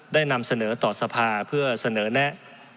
นำเสนอต่อสภาเพื่อเสนอแนะ